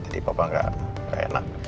jadi papa nggak enak